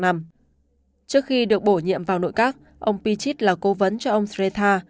trước khi được bổ nhiệm vào nội các ông pichit là cố vấn cho ông sreta